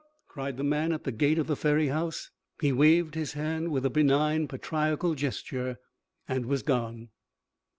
cried the man at the gate of the ferry house. He waved his hand with a benign patriarchal gesture and was gone.